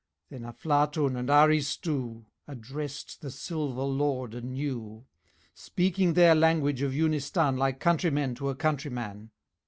Then Aflatun and Aristu Addressed the silver Lord anew, Speaking their language of Yoonistan Like countrymen to a countryman.